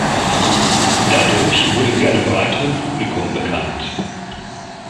Dadurch wurde sie einem breiteren Publikum bekannt.